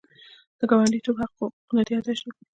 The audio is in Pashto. د ګاونډیتوب حقونه دې ادا شي.